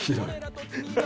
ハハハハ！